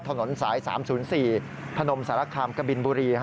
ถนนสาย๓๐๔พนมสารคามกบินบุรี